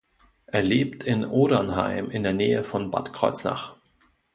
Er lebt in Odernheim in der Nähe von Bad Kreuznach.